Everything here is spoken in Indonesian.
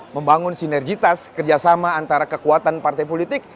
membangun sinergitas kerjasama antara kekuatan partai politik